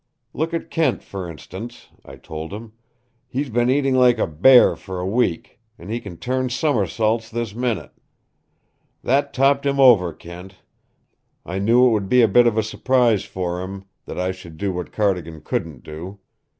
'Look at Kent, for instance,' I told him. 'He's been eating like a bear for a week, and he can turn somersaults this minute!' That topped him over, Kent. I knew it would be a bit of a surprise for him, that I should do what Cardigan couldn't do.